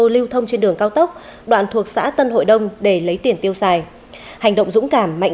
lưu thông trên đường cao tốc đoạn thuộc xã tân hội đông để lấy tiền tiêu xài hành động dũng cảm mạnh